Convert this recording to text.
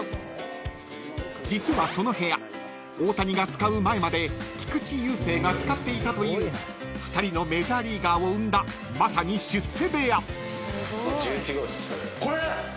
［実はその部屋大谷が使う前まで菊池雄星が使っていたという２人のメジャーリーガーを生んだまさに出世部屋］これ！？